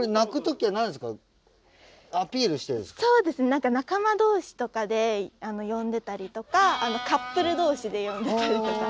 何か仲間同士とかで呼んでたりとかカップル同士で呼んでたりとか。